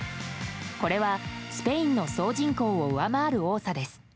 これはスペインの総人口を上回る多さです。